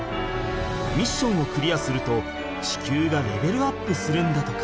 ミッションをクリアすると地球がレベルアップするんだとか。